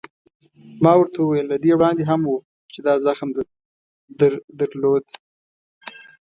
ما ورته وویل: له دې وړاندې هم و، چې دا زخم در درلود؟